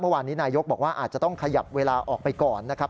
เมื่อวานนี้นายยกบอกว่าอาจจะต้องขยับเวลาออกไปก่อนนะครับ